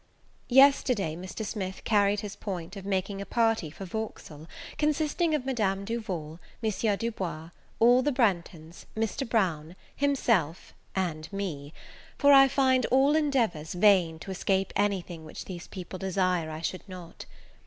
YESTERDAY Mr. Smith carried his point of making a party for Vauxhall, consisting of Madame Duval, M. Du Bois, all the Branghtons, Mr. Brown, himself, and me! for I find all endeavours vain to escape any thing which these people desire I should not.